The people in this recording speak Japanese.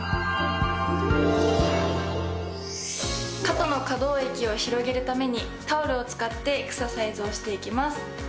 肩の可動域を広げるためにタオルを使ってエクササイズをしていきます。